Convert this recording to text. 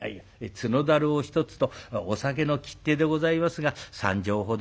角だるを１つとお酒の切手でございますが３升ほど。